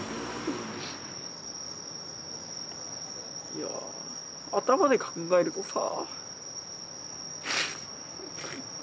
いや頭で考えるとさ。